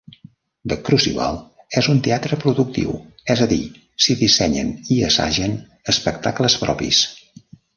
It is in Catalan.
The Crucible és un teatre productiu, és a dir, s'hi dissenyen i assagen espectacles propis.